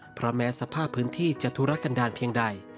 เพราะแม้สภาพพื้นที่จะทุรกันดาลเพียงใด